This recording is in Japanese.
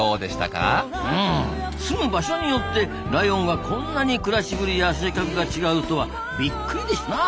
うん住む場所によってライオンがこんなに暮らしぶりや性格が違うとはビックリですな。